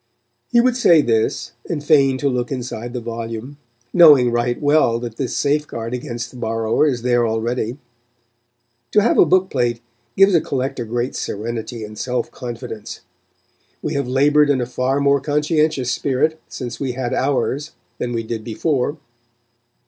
He would say this, and feign to look inside the volume, knowing right well that this safeguard against the borrower is there already. To have a book plate gives a collector great serenity and self confidence. We have laboured in a far more conscientious spirit since we had ours than we did before.